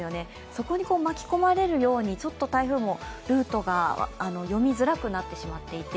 そこに巻き込まれるように、ちょっと台風もルートが読みづらくなっていて